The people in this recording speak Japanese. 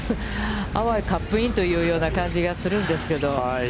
あわやカップインというような感じがするんですけど。